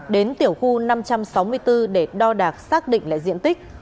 đến tiểu khu năm trăm sáu mươi bốn để đo đạc xác định lại diện tích